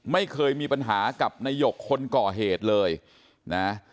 ไม่เคยมีปัญหากับนายกคนก่อเหตุเลยนะ